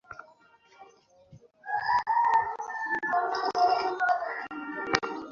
পাঁচ- ছয় বার!